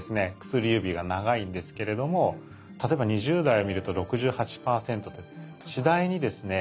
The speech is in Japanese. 薬指が長いんですけれども例えば２０代を見ると６８％で次第にですね